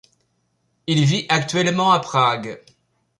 Il vit actuellement à Prague.